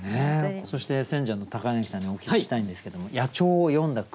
そして選者の柳さんにお聞きしたいんですけども野鳥を詠んだ句